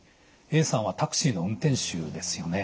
Ａさんはタクシーの運転手ですよね。